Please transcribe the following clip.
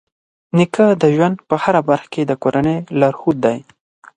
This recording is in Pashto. نیکه د ژوند په هره برخه کې د کورنۍ لارښود دی.